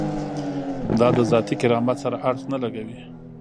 دا د ذاتي کرامت سره اړخ نه لګوي.